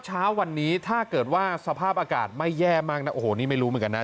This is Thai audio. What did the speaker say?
เช้าวันนี้ถ้าเกิดว่าสภาพอากาศไม่แย่มากนะโอ้โหนี่ไม่รู้เหมือนกันนะ